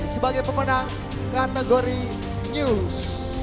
sebagai pemenang kategori news